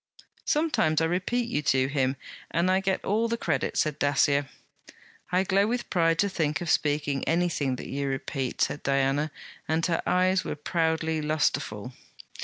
'Sometimes I repeat you to him, and I get all the credit,' said Dacier. 'I glow with pride to think of speaking anything that you repeat,' said Diana, and her eyes were proudly lustreful.